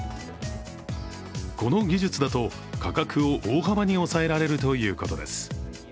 この技術だと価格を大幅に抑えられるということです。